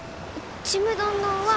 ちむどんどんは。